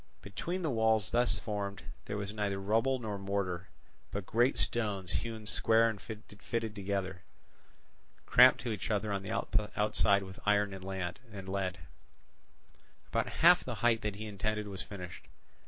Between the walls thus formed there was neither rubble nor mortar, but great stones hewn square and fitted together, cramped to each other on the outside with iron and lead. About half the height that he intended was finished.